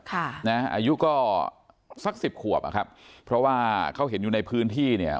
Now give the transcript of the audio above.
อายุก็สักสิบขวบอ่ะครับเพราะว่าเขาเห็นอยู่ในพื้นที่เนี่ย